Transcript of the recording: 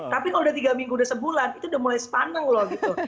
tapi kalau udah tiga minggu udah sebulan itu udah mulai sepane loh gitu